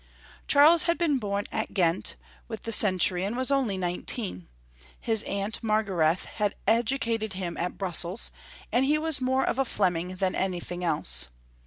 Charles had been bom at Ghent with the cen tury, and was only nineteen. His aunt Margarethe had educated him at Brussels, and he was more of a Fleming than anything else.